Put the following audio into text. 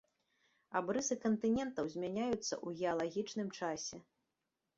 Абрысы кантынентаў змяняюцца ў геалагічным часе.